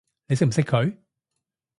你識唔識佢？